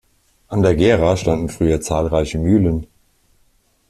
An der Gera standen früher zahlreiche Mühlen.